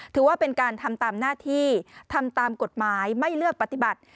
ถือว่าเป็นการทำตามหน้าที่ทำตามกฎหมายไม่เลือกปฏิบัติ